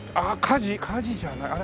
火事じゃない。